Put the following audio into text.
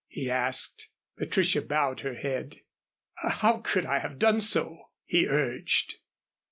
he asked. Patricia bowed her head. "How could I have done so?" he urged.